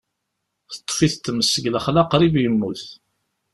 Teṭṭef-it tmes deg lexla, qrib yemmut.